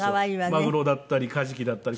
マグロだったりカジキだったり。